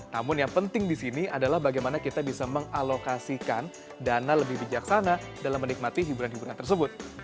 namun yang penting di sini adalah bagaimana kita bisa mengalokasikan dana lebih bijaksana dalam menikmati hiburan hiburan tersebut